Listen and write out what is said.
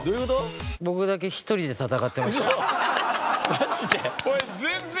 マジで？